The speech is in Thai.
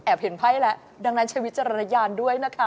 แอบเห็นไพ่แล้วดังนั้นชีวิตจะระยานด้วยนะคะ